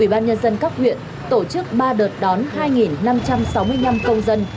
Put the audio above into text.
ủy ban nhân dân các huyện tổ chức ba đợt đón hai năm trăm sáu mươi năm công dân